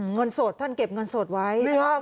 เงินโสดท่านเก็บเงินโสดไว้นะครับ